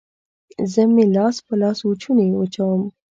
زه مې لاس په لاسوچوني وچوم